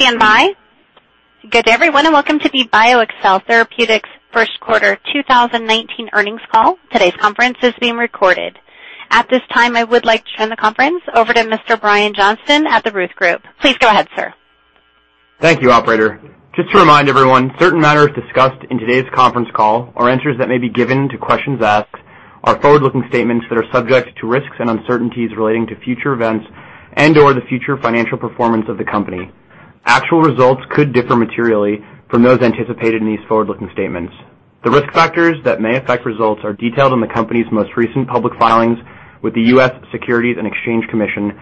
Please stand by. Good morning, everyone, and welcome to the BioXcel Therapeutics first quarter 2019 earnings call. Today's conference is being recorded. At this time, I would like to turn the conference over to Mr. Brian Johnson at The Ruth Group. Please go ahead, sir. Thank you, operator. Just to remind everyone, certain matters discussed in today's conference call or answers that may be given to questions asked are forward-looking statements that are subject to risks and uncertainties relating to future events and/or the future financial performance of the company. Actual results could differ materially from those anticipated in these forward-looking statements. The risk factors that may affect results are detailed in the company's most recent public filings with the U.S. Securities and Exchange Commission,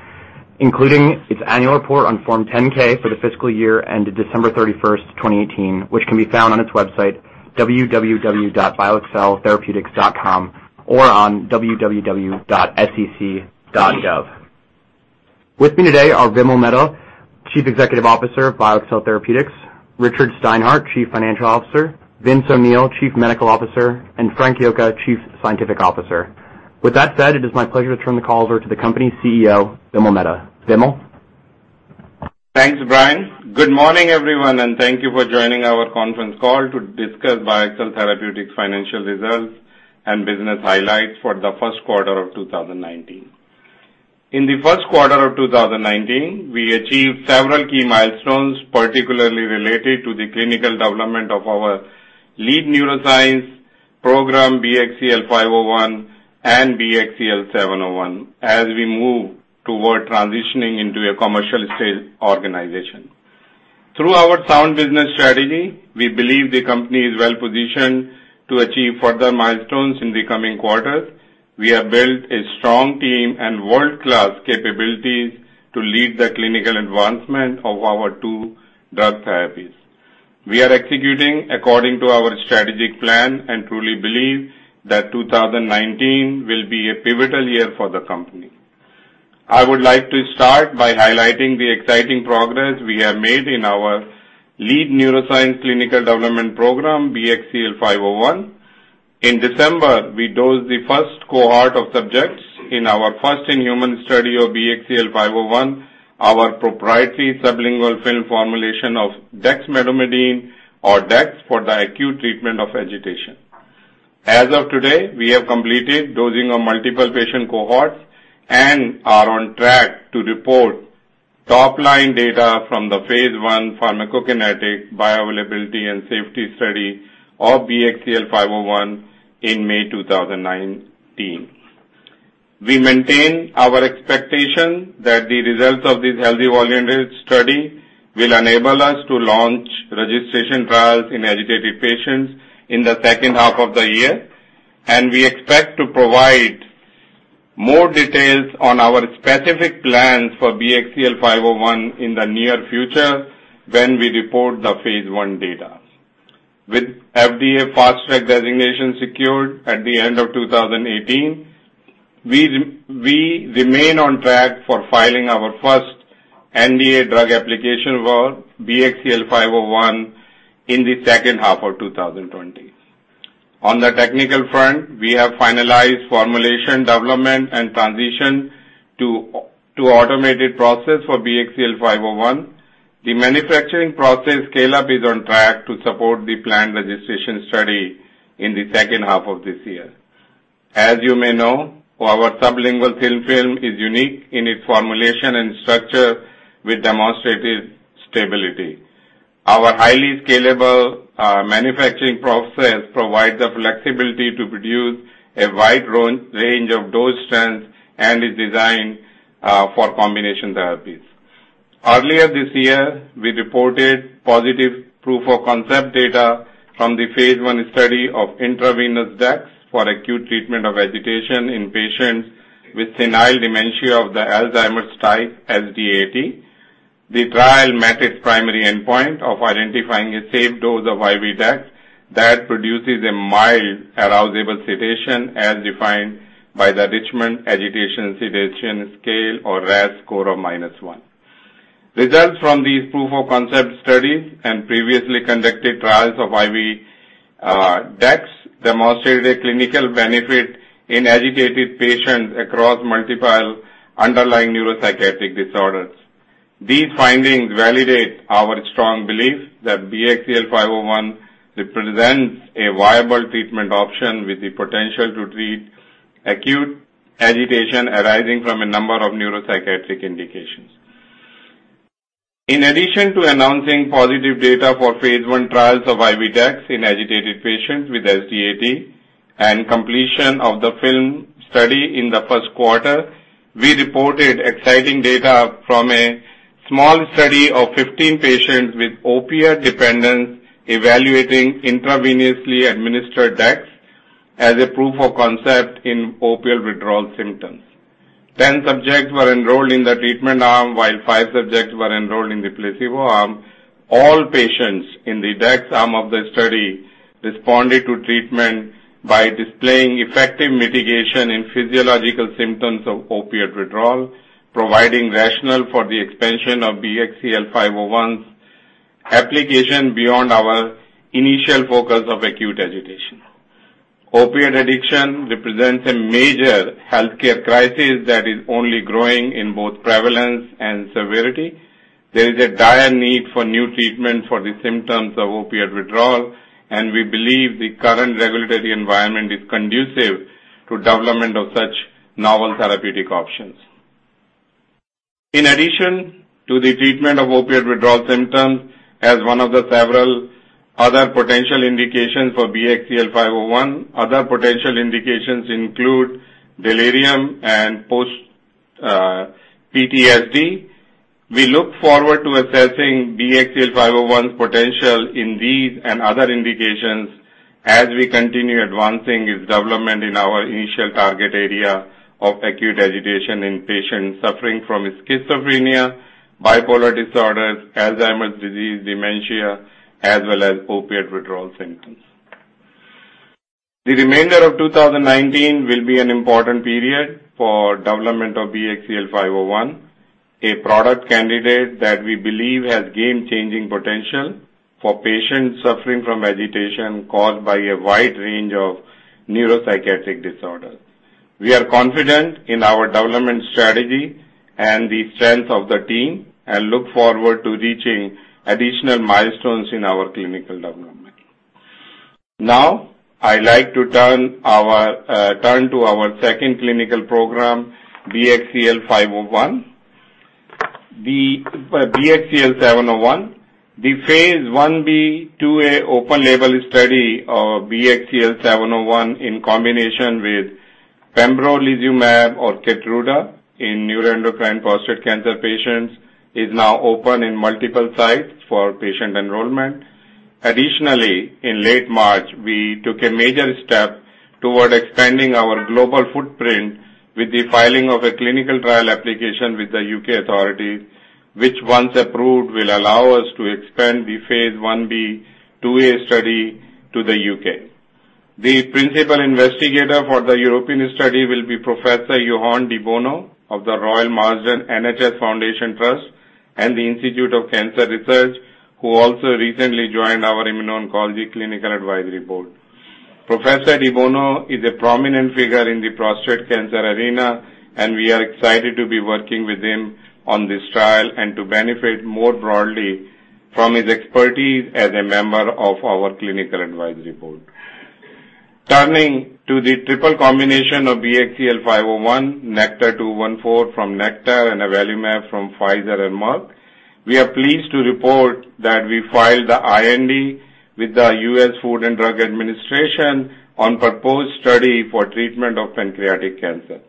including its annual report on Form 10-K for the fiscal year ended December 31, 2018, which can be found on its website, www.bioxceltherapeutics.com or on www.sec.gov. With me today are Vimal Mehta, Chief Executive Officer of BioXcel Therapeutics, Richard Steinhart, Chief Financial Officer, Vince O'Neill, Chief Medical Officer, and Frank Yocca, Chief Scientific Officer. With that said, it is my pleasure to turn the call over to the company's CEO, Vimal Mehta. Vimal? Thanks, Brian. Good morning, everyone, and thank you for joining our conference call to discuss BioXcel Therapeutics financial results and business highlights for the first quarter of 2019. In the first quarter of 2019, we achieved several key milestones, particularly related to the clinical development of our lead neuroscience program, BXCL501 and BXCL701, as we move toward transitioning into a commercial sales organization. Through our sound business strategy, we believe the company is well-positioned to achieve further milestones in the coming quarters. We have built a strong team and world-class capabilities to lead the clinical advancement of our two drug therapies. We are executing according to our strategic plan and truly believe that 2019 will be a pivotal year for the company. I would like to start by highlighting the exciting progress we have made in our lead neuroscience clinical development program, BXCL501. In December, we dosed the first cohort of subjects in our first-in-human study of BXCL501, our proprietary sublingual film formulation of dexmedetomidine, or dex, for the acute treatment of agitation. As of today, we have completed dosing on multiple patient cohorts and are on track to report top-line data from the phase I pharmacokinetic bioavailability and safety study of BXCL501 in May 2019. We maintain our expectation that the results of this healthy volunteer study will enable us to launch registration trials in agitated patients in the second half of the year, and we expect to provide more details on our specific plans for BXCL501 in the near future when we report the phase I data. With FDA Fast Track designation secured at the end of 2018, we remain on track for filing our first NDA drug application for BXCL501 in the second half of 2020. On the technical front, we have finalized formulation development and transition to automated process for BXCL501. The manufacturing process scale-up is on track to support the planned registration study in the second half of this year. As you may know, our sublingual thin film is unique in its formulation and structure with demonstrated stability. Our highly scalable manufacturing process provides the flexibility to produce a wide range of dose strengths and is designed for combination therapies. Earlier this year, we reported positive proof-of-concept data from the phase I study of intravenous dex for acute treatment of agitation in patients with senile dementia of the Alzheimer's type, SDAT. The trial met its primary endpoint of identifying a safe dose of IV dex that produces a mild arousable sedation as defined by the Richmond Agitation-Sedation Scale, or RASS, score of -1. Results from these proof-of-concept studies and previously conducted trials of IV dex demonstrated a clinical benefit in agitated patients across multiple underlying neuropsychiatric disorders. These findings validate our strong belief that BXCL501 represents a viable treatment option with the potential to treat acute agitation arising from a number of neuropsychiatric indications. In addition to announcing positive data for phase I trials of IV dex in agitated patients with SDAT and completion of the film study in the first quarter, we reported exciting data from a small study of 15 patients with opioid dependence evaluating intravenously administered dex as a proof of concept in opiate withdrawal symptoms. 10 subjects were enrolled in the treatment arm, while five subjects were enrolled in the placebo arm. All patients in the dex arm of the study responded to treatment by displaying effective mitigation in physiological symptoms of opiate withdrawal, providing rationale for the expansion of BXCL501's application beyond our initial focus of acute agitation. Opioid addiction represents a major healthcare crisis that is only growing in both prevalence and severity. There is a dire need for new treatment for the symptoms of opioid withdrawal, and we believe the current regulatory environment is conducive to development of such novel therapeutic options. In addition to the treatment of opioid withdrawal symptoms, as one of the several other potential indications for BXCL501, other potential indications include delirium and post PTSD. We look forward to assessing BXCL501's potential in these and other indications as we continue advancing its development in our initial target area of acute agitation in patients suffering from schizophrenia, bipolar disorders, Alzheimer's disease, dementia, as well as opioid withdrawal symptoms. The remainder of 2019 will be an important period for development of BXCL501, a product candidate that we believe has game-changing potential for patients suffering from agitation caused by a wide range of neuropsychiatric disorders. We are confident in our development strategy and the strength of the team and look forward to reaching additional milestones in our clinical development. Now, I like to turn to our second clinical program, BXCL701. The phase I-B/II open label study of BXCL701 in combination with pembrolizumab or KEYTRUDA in neuroendocrine prostate cancer patients is now open in multiple sites for patient enrollment. Additionally, in late March, we took a major step toward expanding our global footprint with the filing of a clinical trial application with the U.K. authority, which once approved, will allow us to expand the phase I-B/II study to the U.K. The principal investigator for the European study will be Professor Johann de Bono of The Royal Marsden NHS Foundation Trust and The Institute of Cancer Research, who also recently joined our Immuno-Oncology Clinical Advisory Board. Professor Johann de Bono is a prominent figure in the prostate cancer arena, and we are excited to be working with him on this trial and to benefit more broadly from his expertise as a member of our clinical advisory board. Turning to the triple combination of BXCL501, NKTR-214 from Nektar, and avelumab from Pfizer and Merck. We are pleased to report that we filed the IND with the U.S. Food and Drug Administration on proposed study for treatment of pancreatic cancer.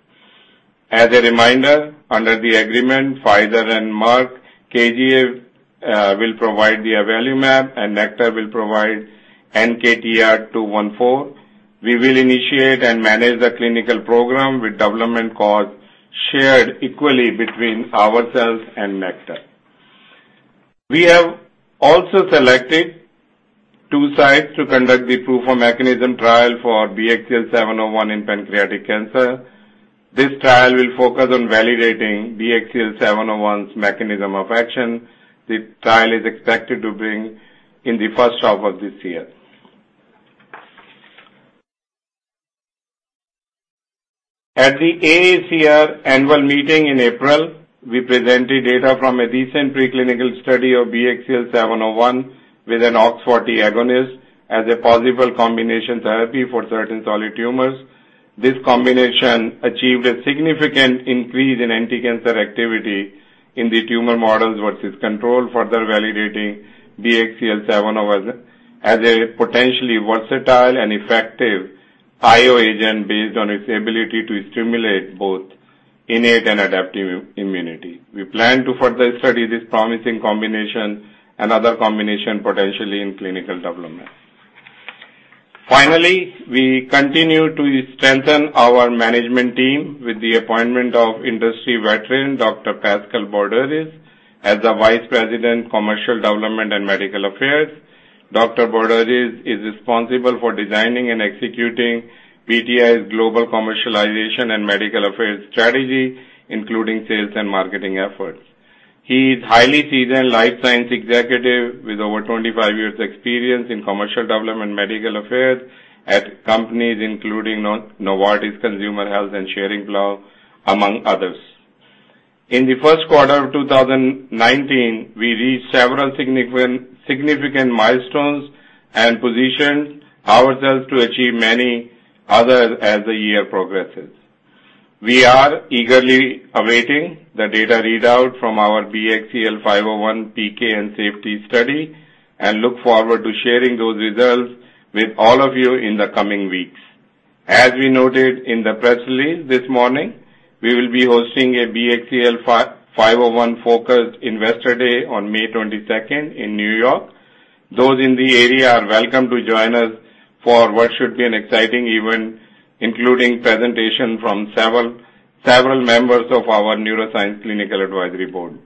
As a reminder, under the agreement, Pfizer and Merck KGaA will provide the avelumab, and Nektar will provide NKTR-214. We will initiate and manage the clinical program with development costs shared equally between ourselves and Nektar. We have also selected two sites to conduct the proof of mechanism trial for BXCL701 in pancreatic cancer. This trial will focus on validating BXCL701's mechanism of action. The trial is expected to begin in the first half of this year. At the AACR annual meeting in April, we presented data from a recent preclinical study of BXCL701 with an OX40 agonist as a possible combination therapy for certain solid tumors. This combination achieved a significant increase in anticancer activity in the tumor models versus control, further validating BXCL701 as a potentially versatile and effective IO agent based on its ability to stimulate both innate and adaptive immunity. We plan to further study this promising combination and other combination potentially in clinical development. Finally, we continue to strengthen our management team with the appointment of industry veteran, Dr. Pascal Borderies, as the Vice President, Commercial Development and Medical Affairs. Dr. Borderies is responsible for designing and executing BTAI's global commercialization and medical affairs strategy, including sales and marketing efforts. He is highly seasoned life science executive with over 25 years' experience in commercial development, medical affairs at companies including Novartis Consumer Health and Schering-Plough, among others. In the first quarter of 2019, we reached several significant milestones and positioned ourselves to achieve many others as the year progresses. We are eagerly awaiting the data readout from our BXCL501 PK and safety study, and look forward to sharing those results with all of you in the coming weeks. As we noted in the press release this morning, we will be hosting a BXCL501-focused Investor Day on May 22nd in New York. Those in the area are welcome to join us for what should be an exciting event, including presentation from several members of our Neuroscience Clinical Advisory Board.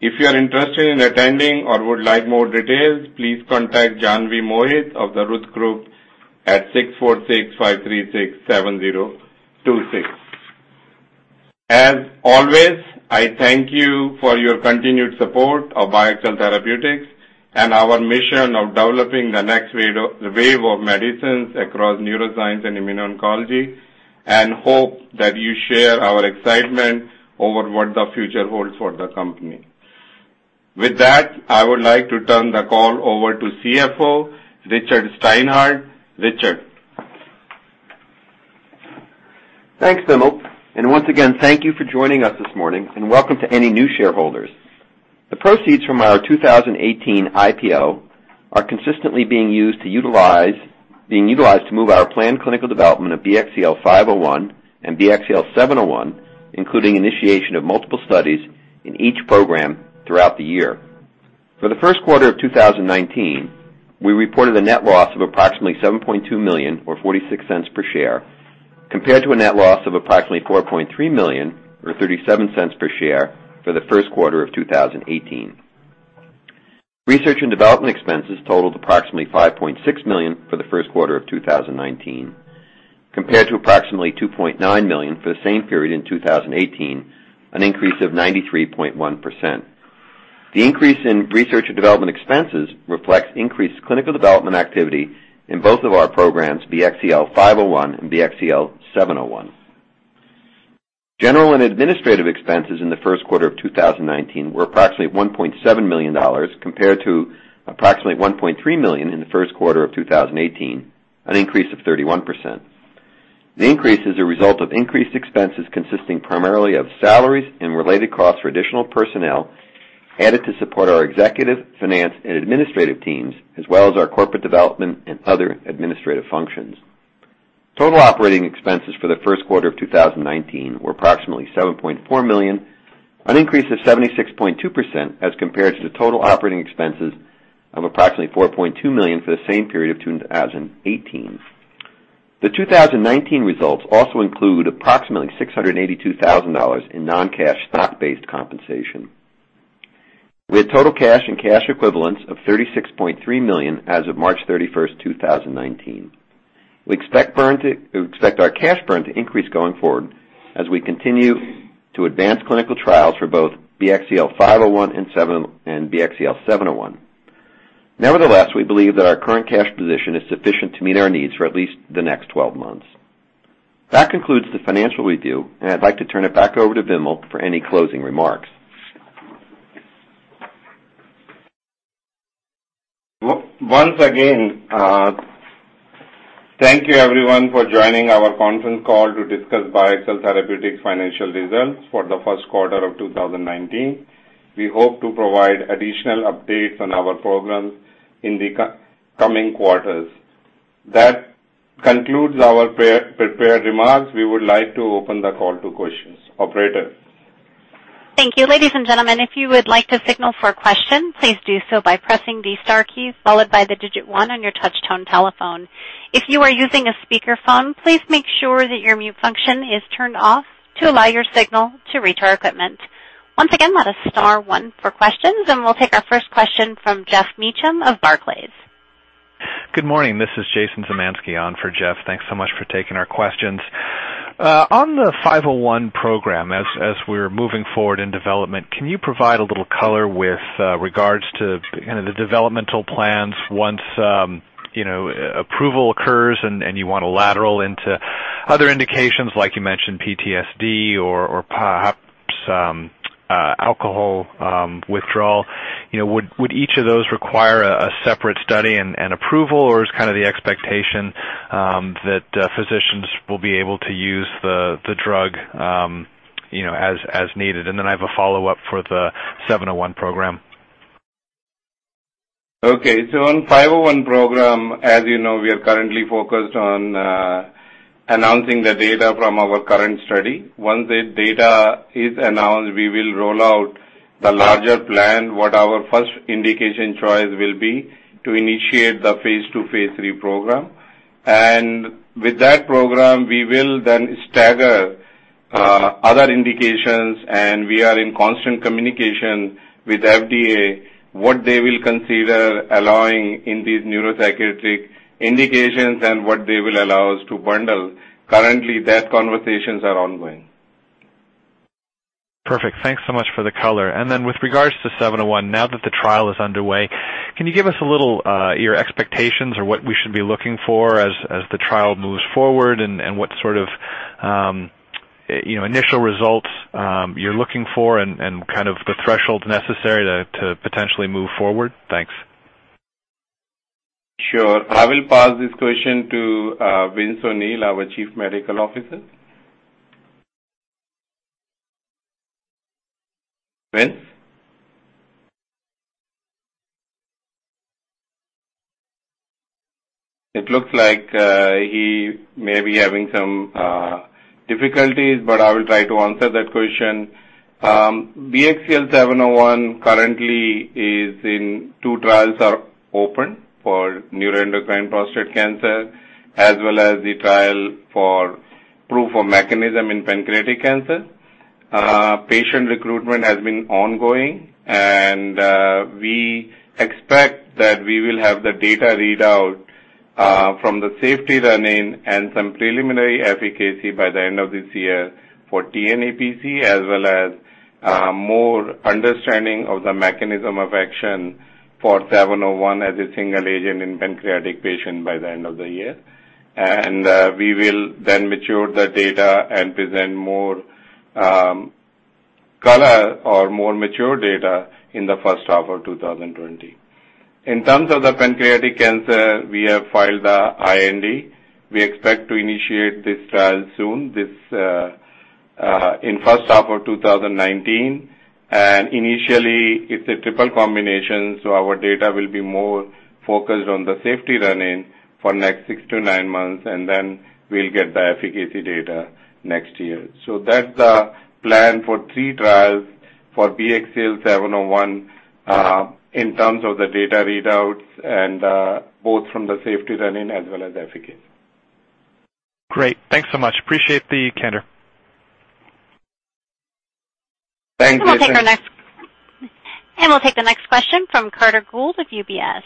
If you are interested in attending or would like more details, please contact Janhavi Mohite of The Ruth Group at 646-536-7026. As always, I thank you for your continued support of BioXcel Therapeutics and our mission of developing the next wave of medicines across neuroscience and immuno-oncology, and hope that you share our excitement over what the future holds for the company. I would like to turn the call over to CFO, Richard Steinhart. Richard? Thanks, Vimal. Once again, thank you for joining us this morning, and welcome to any new shareholders. The proceeds from our 2018 IPO are consistently being utilized to move our planned clinical development of BXCL501 and BXCL701, including initiation of multiple studies in each program throughout the year. For the first quarter of 2019, we reported a net loss of approximately $7.2 million, or $0.46 per share, compared to a net loss of approximately $4.3 million, or $0.37 per share for the first quarter of 2018. Research and development expenses totaled approximately $5.6 million for the first quarter of 2019, compared to approximately $2.9 million for the same period in 2018, an increase of 93.1%. The increase in Research and development expenses reflects increased clinical development activity in both of our programs, BXCL501 and BXCL701. General and administrative expenses in the first quarter of 2019 were approximately $1.7 million, compared to approximately $1.3 million in the first quarter of 2018, an increase of 31%. The increase is a result of increased expenses consisting primarily of salaries and related costs for additional personnel added to support our executive, finance, and administrative teams, as well as our corporate development and other administrative functions. Total operating expenses for the first quarter of 2019 were approximately $7.4 million, an increase of 76.2%, as compared to the total operating expenses of approximately $4.2 million for the same period of 2018. The 2019 results also include approximately $682,000 in non-cash stock-based compensation. We had total cash and cash equivalents of $36.3 million as of March 31st, 2019. We expect our cash burn to increase going forward as we continue to advance clinical trials for both BXCL501 and BXCL701. Nevertheless, we believe that our current cash position is sufficient to meet our needs for at least the next 12 months. That concludes the financial review, and I'd like to turn it back over to Vimal for any closing remarks. Once again, thank you everyone for joining our conference call to discuss BioXcel Therapeutics financial results for the first quarter of 2019. We hope to provide additional updates on our programs in the coming quarters. That concludes our prepared remarks. We would like to open the call to questions. Operator? Thank you. Ladies and gentlemen, if you would like to signal for a question, please do so by pressing the star key followed by the digit 1 on your touch tone telephone. If you are using a speakerphone, please make sure that your mute function is turned off to allow your signal to reach our equipment. Once again, that is star 1 for questions, and we'll take our first question from Geoffrey Meacham of Barclays. Good morning. This is Jason Zemansky on for Jeff. Thanks so much for taking our questions. On the 501 program, as we're moving forward in development, can you provide a little color with regards to the developmental plans once approval occurs and you want to lateral into other indications, like you mentioned PTSD or perhaps alcohol withdrawal? Would each of those require a separate study and approval, or is the expectation that physicians will be able to use the drug as needed? I have a follow-up for the 701 program. Okay. On 501 program, as you know, we are currently focused on announcing the data from our current study. Once the data is announced, we will roll out the larger plan, what our first indication choice will be to initiate the phase II, phase III program. With that program, we will then stagger other indications, and we are in constant communication with FDA, what they will consider allowing in these neuropsychiatric indications and what they will allow us to bundle. Currently, that conversations are ongoing. Perfect. Thanks so much for the color. Then with regards to 701, now that the trial is underway, can you give us your expectations or what we should be looking for as the trial moves forward and what sort of initial results you're looking for and the threshold necessary to potentially move forward? Thanks. Sure. I will pass this question to Vince O'Neill, our Chief Medical Officer. Vince? It looks like he may be having some difficulties, but I will try to answer that question. BXCL701 currently is in two trials are open for neuroendocrine prostate cancer, as well as the trial for proof of mechanism in pancreatic cancer. Patient recruitment has been ongoing, and we expect that we will have the data readout from the safety run-in and some preliminary efficacy by the end of this year for tNEPC, as well as more understanding of the mechanism of action for 701 as a single agent in pancreatic patient by the end of the year. We will then mature the data and present more color or more mature data in the first half of 2020. In terms of the pancreatic cancer, we have filed the IND. We expect to initiate this trial soon, in first half of 2019. Initially it's a triple combination, our data will be more focused on the safety run-in for next six to nine months, then we'll get the efficacy data next year. That's the plan for three trials for BXCL701, in terms of the data readouts and both from the safety run-in as well as efficacy. Great. Thanks so much. Appreciate the candor. Thank you. We'll take the next question from Carter Gould with UBS.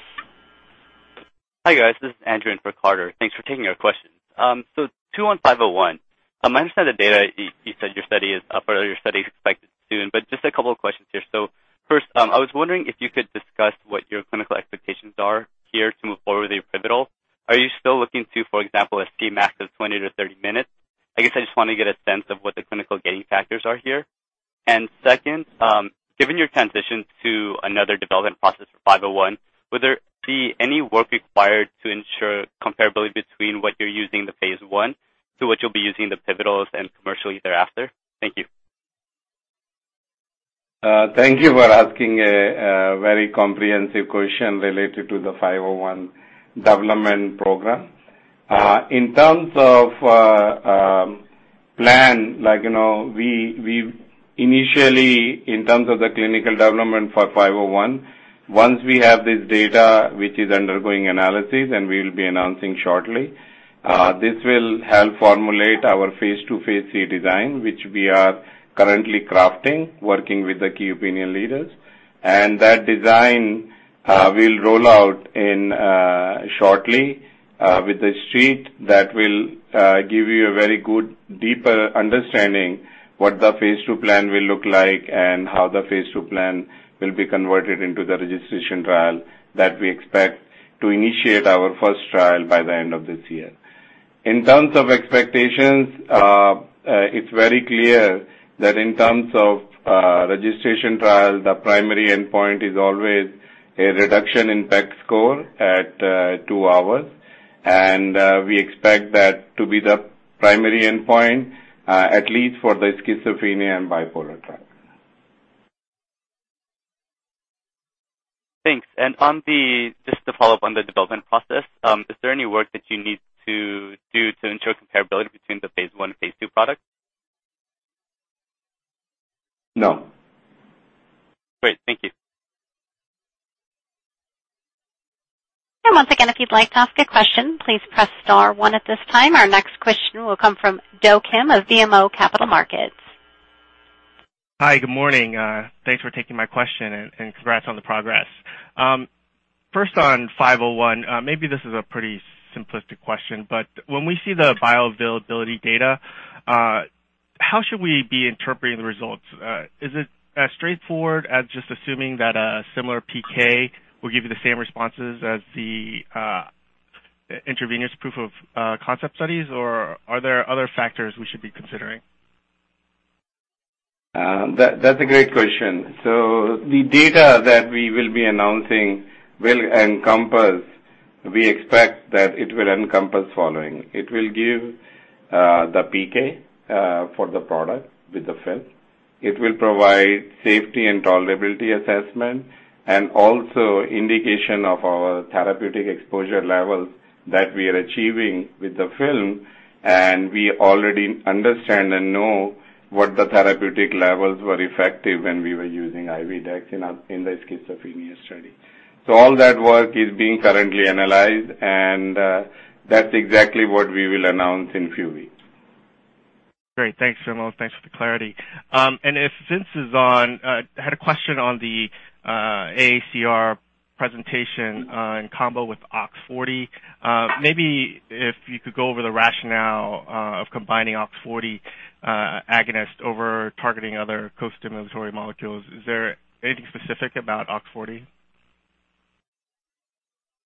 Hi, guys. This is Andrew in for Carter. Thanks for taking our question. Two on 501. I understand the data. You said your study is expected soon, just a couple of questions here. First, I was wondering if you could discuss what your clinical expectations are here to move forward with your pivotal. Are you still looking to, for example, a Cmax of 20-30 minutes? I guess I just want to get a sense of what the clinical gating factors are here. Second, given your transition to another development process for 501, will there be any work required to ensure comparability between what you're using the phase I to what you'll be using the pivotals and commercially thereafter? Thank you. Thank you for asking a very comprehensive question related to the 501 development program. In terms of plan, we initially, in terms of the clinical development for 501, once we have this data, which is undergoing analysis, and we'll be announcing shortly, this will help formulate our phase II, phase III design, which we are currently crafting, working with the key opinion leaders. That design will roll out shortly, with a sheet that will give you a very good, deeper understanding what the phase II plan will look like and how the phase II plan will be converted into the registration trial that we expect to initiate our first trial by the end of this year. In terms of expectations, it's very clear that in terms of registration trial, the primary endpoint is always a reduction in PEC score at two hours. We expect that to be the primary endpoint, at least for the schizophrenia and bipolar trial. Thanks. Just to follow up on the development process, is there any work that you need to do to ensure comparability between the phase I and phase II products? No. Great. Thank you. Once again, if you'd like to ask a question, please press star one at this time. Our next question will come from Do Kim of BMO Capital Markets. Hi, good morning. Thanks for taking my question, and congrats on the progress. First on 501, maybe this is a pretty simplistic question, but when we see the bioavailability data, how should we be interpreting the results? Is it as straightforward as just assuming that a similar PK will give you the same responses as the intravenous proof of concept studies, or are there other factors we should be considering? That's a great question. The data that we will be announcing will encompass, we expect that it will encompass following: It will give the PK, for the product with the film. It will provide safety and tolerability assessment, and also indication of our therapeutic exposure levels that we are achieving with the film. We already understand and know what the therapeutic levels were effective when we were using IV dex in the schizophrenia study. All that work is being currently analyzed, and that's exactly what we will announce in few weeks. Great. Thanks, Vimal. Thanks for the clarity. If Vince is on, I had a question on the AACR presentation in combo with OX40. Maybe if you could go over the rationale of combining OX40 agonist over targeting other co-stimulatory molecules. Is there anything specific about OX40?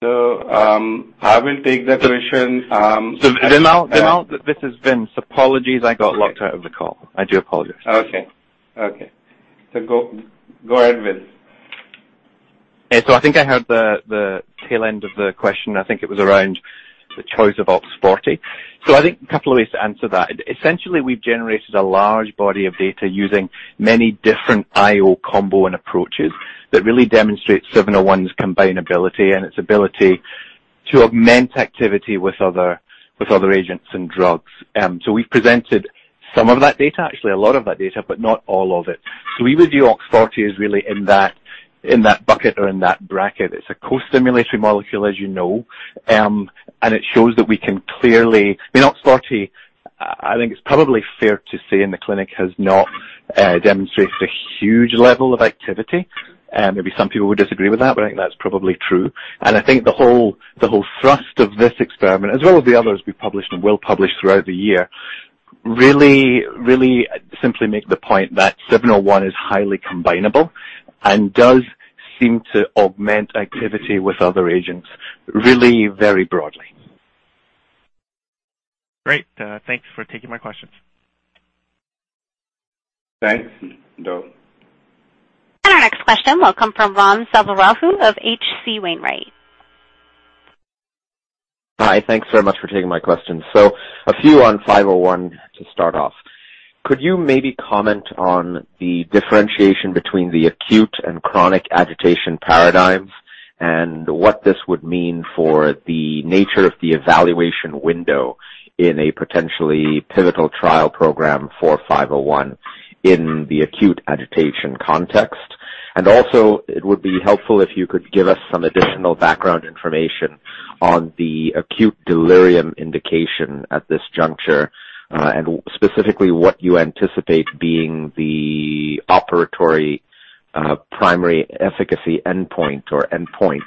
I will take that question. Vimal, this is Vince. Apologies, I got locked out of the call. I do apologize. Okay. Go ahead, Vince. Yeah. I think I heard the tail end of the question. I think it was around the choice of OX40. I think a couple of ways to answer that. Essentially, we've generated a large body of data using many different IO combo and approaches that really demonstrate 701's combinability and its ability to augment activity with other agents and drugs. We've presented some of that data, actually, a lot of that data, but not all of it. We view OX40 as really in that bucket or in that bracket. It's a co-stimulatory molecule, as you know. It shows that we can clearly I mean, OX40 I think it's probably fair to say in the clinic has not demonstrated a huge level of activity. Maybe some people would disagree with that, but I think that's probably true. I think the whole thrust of this experiment, as well as the others we published and will publish throughout the year, really simply make the point that 701 is highly combinable and does seem to augment activity with other agents really very broadly. Great. Thanks for taking my questions. Thanks. Our next question will come from Ram Selvaraju of H.C. Wainwright. Hi. Thanks very much for taking my questions. A few on 501 to start off. Could you maybe comment on the differentiation between the acute and chronic agitation paradigms, and what this would mean for the nature of the evaluation window in a potentially pivotal trial program for 501 in the acute agitation context? Also, it would be helpful if you could give us some additional background information on the acute delirium indication at this juncture, and specifically what you anticipate being the obligatory primary efficacy endpoint or endpoints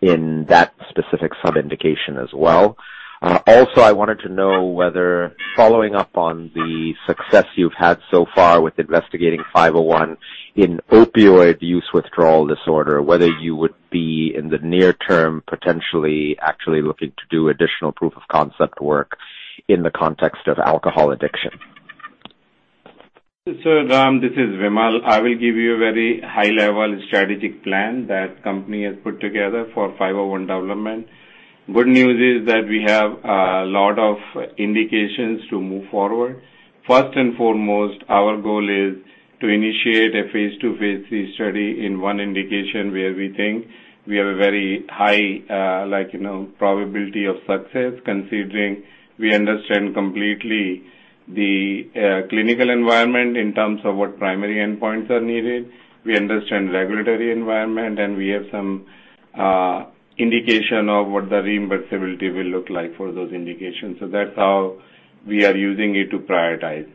in that specific sub-indication as well. I wanted to know whether, following up on the success you've had so far with investigating 501 in opioid use withdrawal disorder, whether you would be, in the near term, potentially actually looking to do additional proof of concept work in the context of alcohol addiction. Ram, this is Vimal. I will give you a very high-level strategic plan that company has put together for 501 development. Good news is that we have a lot of indications to move forward. First and foremost, our goal is to initiate a phase II, phase III study in one indication where we think we have a very high probability of success, considering we understand completely the clinical environment in terms of what primary endpoints are needed. We understand regulatory environment, and we have some indication of what the reimbursability will look like for those indications. That's how we are using it to prioritize.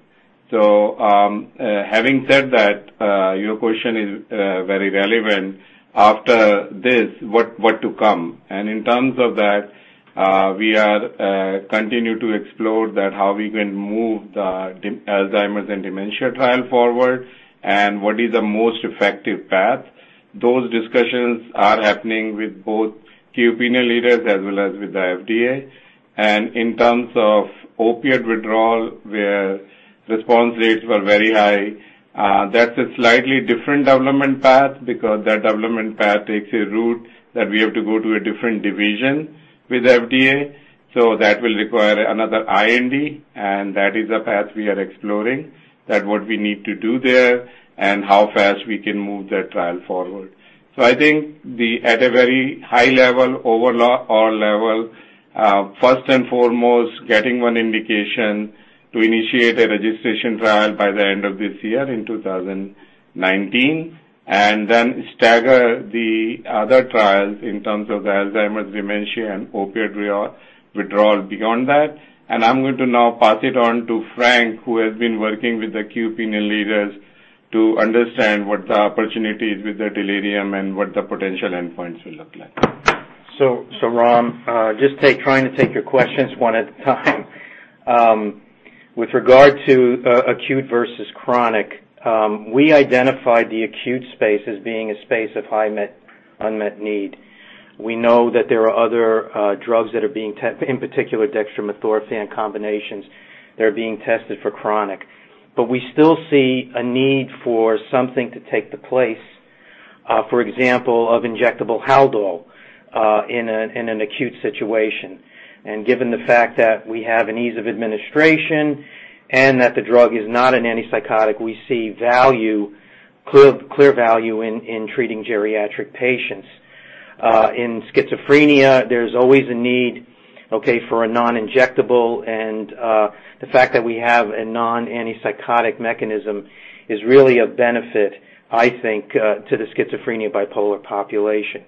Having said that, your question is very relevant. After this, what to come? In terms of that, we continue to explore how we can move the Alzheimer's and dementia trial forward and what is the most effective path. Those discussions are happening with both key opinion leaders as well as with the FDA. In terms of opiate withdrawal, where response rates were very high, that's a slightly different development path because that development path takes a route that we have to go to a different division with FDA. That will require another IND, and that is a path we are exploring, that what we need to do there and how fast we can move that trial forward. I think at a very high level, overall level, first and foremost, getting one indication to initiate a registration trial by the end of this year in 2019, then stagger the other trials in terms of the Alzheimer's, dementia, and opiate withdrawal beyond that. I'm going to now pass it on to Frank, who has been working with the key opinion leaders to understand what the opportunities with the delirium and what the potential endpoints will look like. Ram, just trying to take your questions one at a time. With regard to acute versus chronic, we identified the acute space as being a space of high unmet need. We know that there are other drugs that are being, in particular, dextromethorphan combinations that are being tested for chronic. We still see a need for something to take the place, for example, of injectable Haldol in an acute situation. Given the fact that we have an ease of administration and that the drug is not an antipsychotic, we see clear value in treating geriatric patients. In schizophrenia, there's always a need for a non-injectable, and the fact that we have a non-antipsychotic mechanism is really a benefit, I think, to the schizophrenia bipolar population.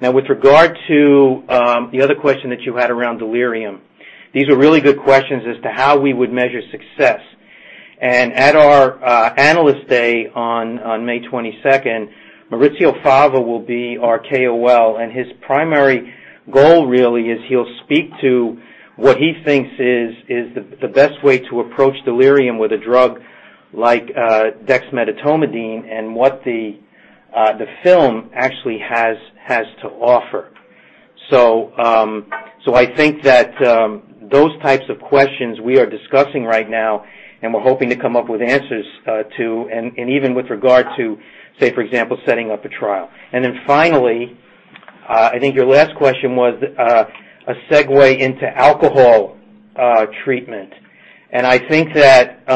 With regard to the other question that you had around delirium, these are really good questions as to how we would measure success. At our analyst day on May 22nd, Maurizio Fava will be our KOL, and his primary goal really is he'll speak to what he thinks is the best way to approach delirium with a drug like dexmedetomidine and what the film actually has to offer. I think that those types of questions we are discussing right now, and we're hoping to come up with answers to, and even with regard to, say, for example, setting up a trial. Finally, I think your last question was a segue into alcohol treatment. I think that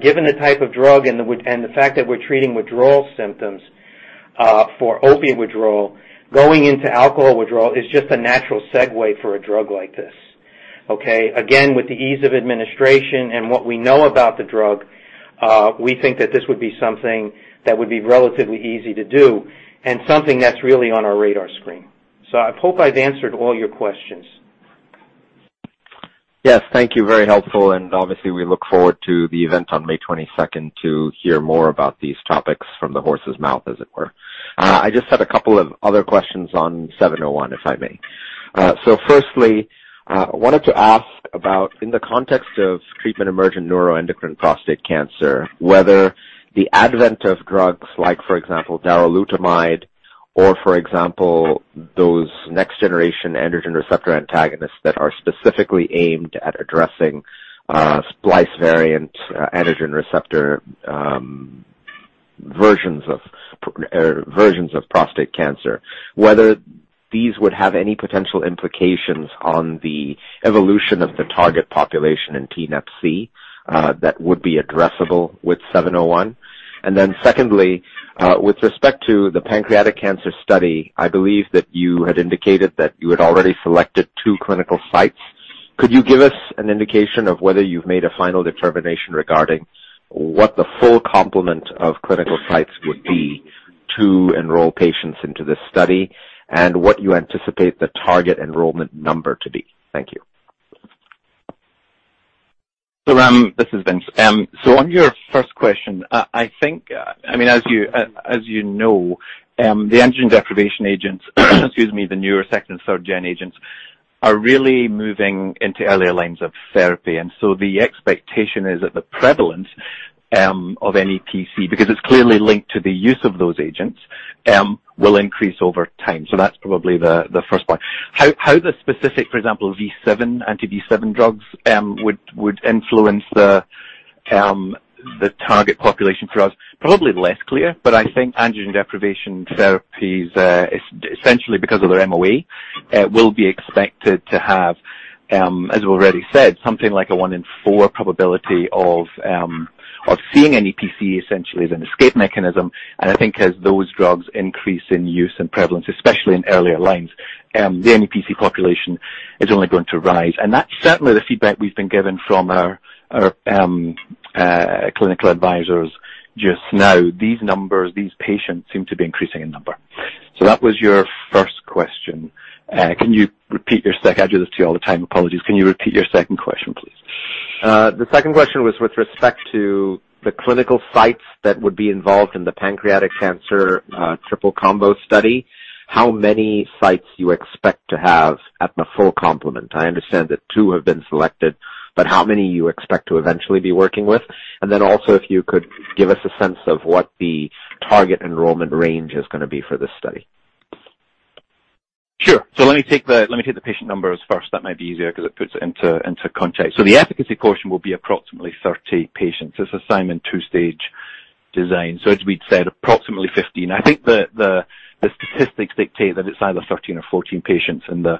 given the type of drug and the fact that we're treating withdrawal symptoms for opiate withdrawal, going into alcohol withdrawal is just a natural segue for a drug like this. Okay. Again, with the ease of administration and what we know about the drug, we think that this would be something that would be relatively easy to do and something that's really on our radar screen. I hope I've answered all your questions. Yes. Thank you. Very helpful. Obviously, we look forward to the event on May 22nd to hear more about these topics from the horse's mouth, as it were. I just had a couple of other questions on 701, if I may. Firstly, I wanted to ask about, in the context of Treatment-emergent neuroendocrine prostate cancer, whether the advent of drugs like, for example, darolutamide or, for example, those next-generation androgen receptor antagonists that are specifically aimed at addressing splice variant androgen receptor versions of prostate cancer, whether these would have any potential implications on the evolution of the target population in tNEPC that would be addressable with 701. Secondly, with respect to the pancreatic cancer study, I believe that you had indicated that you had already selected two clinical sites. Could you give us an indication of whether you've made a final determination regarding what the full complement of clinical sites would be to enroll patients into this study, and what you anticipate the target enrollment number to be? Thank you. Ram, this is Vince. On your first question, as you know, the androgen deprivation agents, the newer second- and third-gen agents, are really moving into earlier lines of therapy, and so the expectation is that the prevalence of NEPC, because it's clearly linked to the use of those agents, will increase over time. That's probably the first point. How the specific, for example, V7, anti-V7 drugs, would influence the target population for us, probably less clear, but I think androgen deprivation therapies, essentially because of their MOA, will be expected to have, as we've already said, something like a one in four probability of seeing NEPC essentially as an escape mechanism. I think as those drugs increase in use and prevalence, especially in earlier lines, the NEPC population is only going to rise. That's certainly the feedback we've been given from our clinical advisors just now. These numbers, these patients seem to be increasing in number. That was your first question. Can you repeat your second? I do this to you all the time. Apologies. Can you repeat your second question, please? The second question was with respect to the clinical sites that would be involved in the pancreatic cancer triple combo study, how many sites you expect to have at the full complement. I understand that two have been selected, but how many you expect to eventually be working with, and then also if you could give us a sense of what the target enrollment range is going to be for this study. Sure. Let me take the patient numbers first. That might be easier because it puts it into context. The efficacy portion will be approximately 30 patients. It's assigned in 2-stage design. As we'd said, approximately 15. I think the statistics dictate that it's either 13 or 14 patients in the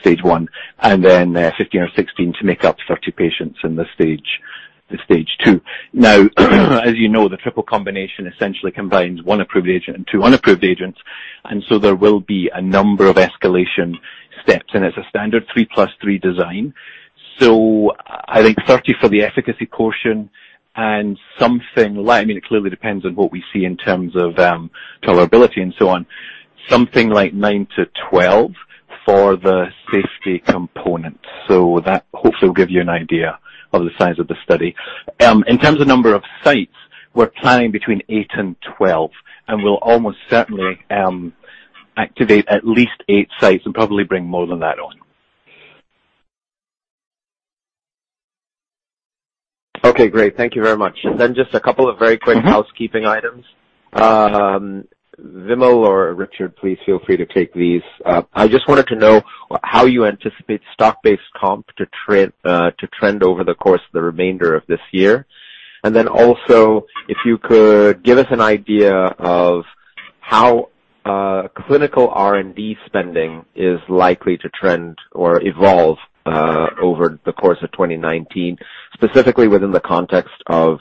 stage 1, and then 15 or 16 to make up 30 patients in the stage 2. Now, as you know, the triple combination essentially combines one approved agent and two unapproved agents, there will be a number of escalation steps, and it's a standard three plus three design. I think 30 for the efficacy portion and something like, it clearly depends on what we see in terms of tolerability and so on, something like nine to 12 for the safety component. That hopefully will give you an idea of the size of the study. In terms of number of sites, we're planning between 8 and 12, and we'll almost certainly activate at least 8 sites and probably bring more than that on. Okay, great. Thank you very much. Just a couple of very quick- Housekeeping items. Vimal or Richard, please feel free to take these. I just wanted to know how you anticipate stock-based comp to trend over the course of the remainder of this year. Also, if you could give us an idea of how clinical R&D spending is likely to trend or evolve over the course of 2019, specifically within the context of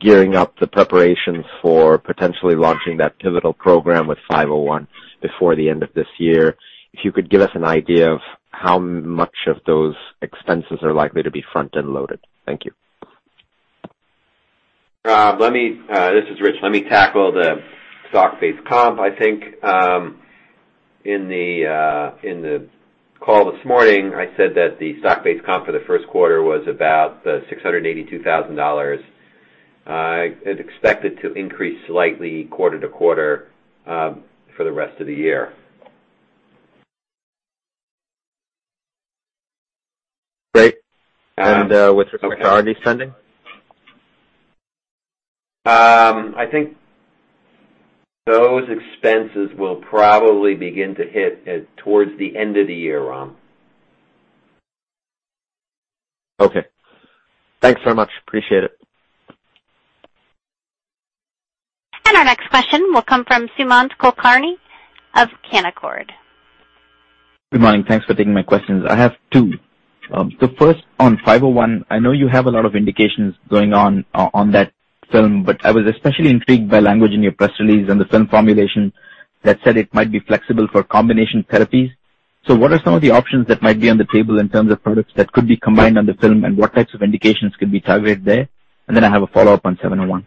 gearing up the preparations for potentially launching that pivotal program with 501 before the end of this year. If you could give us an idea of how much of those expenses are likely to be front and loaded. Thank you. Ram, this is Rich. Let me tackle the stock-based comp. I think, in the call this morning, I said that the stock-based comp for the first quarter was about $682,000. It's expected to increase slightly quarter to quarter for the rest of the year. Great. With respect to R&D spending? I think those expenses will probably begin to hit towards the end of the year, Ram. Okay. Thanks very much. Appreciate it. Our next question will come from Sumant Kulkarni of Canaccord. Good morning. Thanks for taking my questions. I have two. The first on 501. I know you have a lot of indications going on that film, but I was especially intrigued by language in your press release on the film formulation that said it might be flexible for combination therapies. What are some of the options that might be on the table in terms of products that could be combined on the film, and what types of indications could be targeted there? Then I have a follow-up on 701.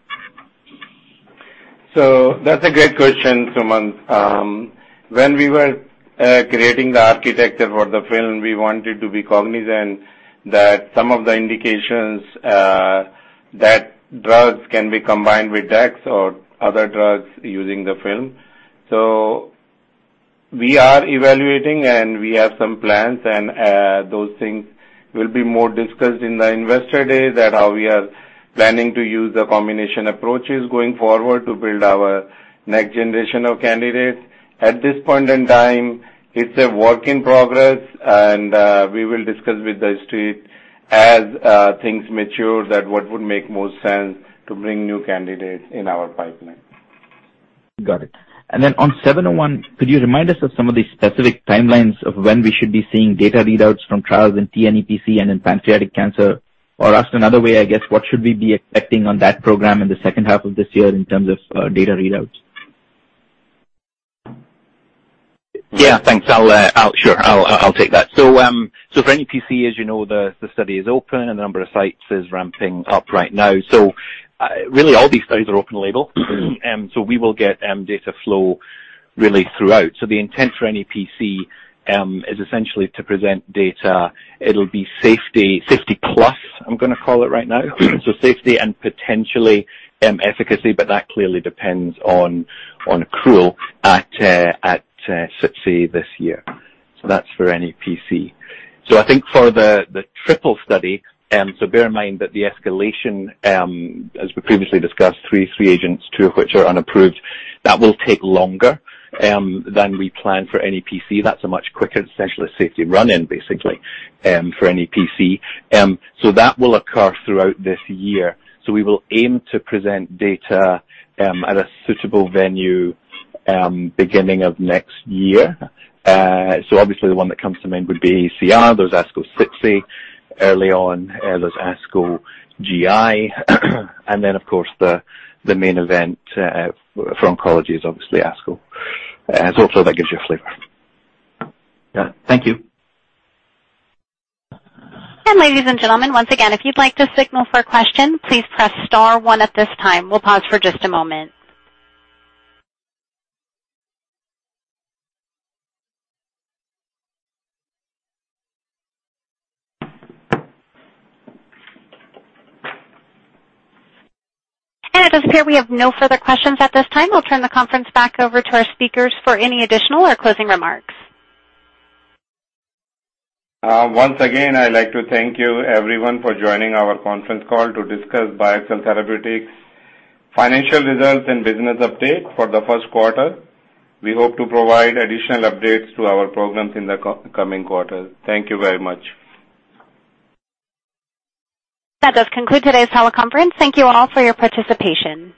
That's a great question, Sumant. When we were creating the architecture for the film, we wanted to be cognizant that some of the indications that drugs can be combined with dex or other drugs using the film. We are evaluating, and we have some plans, and those things will be more discussed in the investor days at how we are planning to use the combination approaches going forward to build our next generation of candidates. At this point in time, it's a work in progress, and we will discuss with the street as things mature that what would make most sense to bring new candidates in our pipeline. Got it. Then on 701, could you remind us of some of the specific timelines of when we should be seeing data readouts from trials in tNEPC and in pancreatic cancer? Asked another way, I guess, what should we be expecting on that program in the second half of this year in terms of data readouts? Yeah, thanks. Sure, I'll take that. For NEPC, as you know, the study is open and the number of sites is ramping up right now. Really all these studies are open label. We will get data flow really throughout. The intent for NEPC is essentially to present data. It'll be safety plus, I'm going to call it right now. Safety and potentially efficacy, but that clearly depends on accrual at SITC this year. That's for NEPC. I think for the triple study, bear in mind that the escalation, as we previously discussed, three agents, two of which are unapproved, that will take longer than we plan for NEPC. That's a much quicker, essentially safety run-in basically for NEPC. That will occur throughout this year. We will aim to present data at a suitable venue beginning of next year. Obviously the one that comes to mind would be ECR. There's ASCO SITC early on. There's ASCO GI. Of course the main event for oncology is obviously ASCO. Hopefully that gives you a flavor. Yeah. Thank you. ladies and gentlemen, once again, if you'd like to signal for a question, please press star one at this time. We'll pause for just a moment. It does appear we have no further questions at this time. We'll turn the conference back over to our speakers for any additional or closing remarks. Once again, I'd like to thank you everyone for joining our conference call to discuss BioXcel Therapeutics financial results and business update for the first quarter. We hope to provide additional updates to our programs in the coming quarters. Thank you very much. That does conclude today's teleconference. Thank you all for your participation.